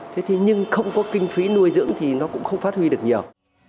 thế thì nhưng không có kinh phí nuôi dưỡng thì nó cũng không phát huy được nhiều